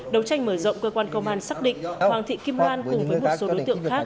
đầu tranh mở rộng cơ quan công an xác định hoàng thị kim oanh cùng với một số đối tượng khác